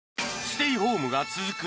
ステイホームが続く